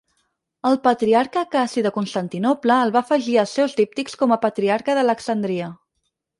El patriarca Acaci de Constantinoble el va afegir als seus díptics com a Patriarca d'Alexandria.